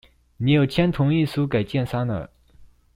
你有簽同意書給建商了